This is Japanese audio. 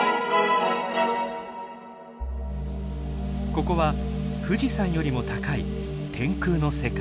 ここは富士山よりも高い天空の世界。